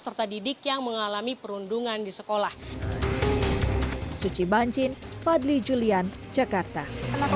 serta didik yang mengalami perundungan di sekolah